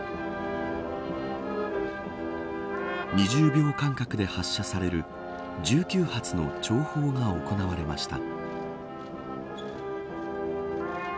２０秒間隔で発射される１９発の弔砲が行われました。